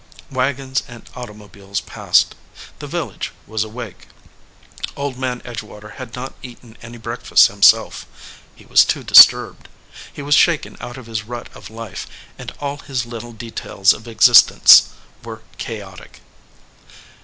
Wagons and automobiles passed. The vil lage was awake. Old Man Edgewater had not eaten any breakfast himself. He was too dis turbed. He was shaken out of his rut of life, and all his little details of existence were chaotic.